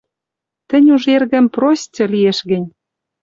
Тӹнь уж, эргӹм, простьы, лиэш гӹнь.